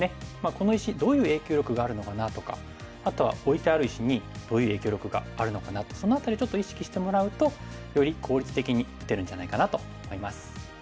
「この石どういう影響力があるのかな？」とかあとは「置いてある石にどういう影響力があるのかな？」ってその辺りちょっと意識してもらうとより効率的に打てるんじゃないかなと思います。